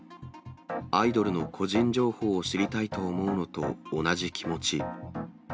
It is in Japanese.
アイドルの個人情報を知りたいと思うのと同じ気持ち。